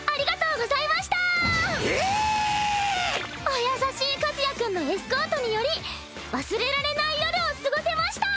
お優しい和也君のエスコートにより忘れられない夜を過ごせました！